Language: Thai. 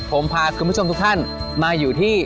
ผมพาคุณผู้ชมทุกท่านมาอยู่ที่